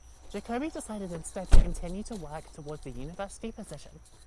Jacobi decided instead to continue to work towards a University position.